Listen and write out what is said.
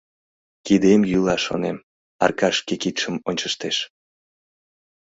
Кидем йӱла, шонем, — Аркаш шке кидшым ончыштеш.